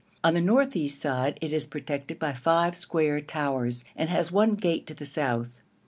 On the north east side it is protected by five square towers, and has one gate to the south.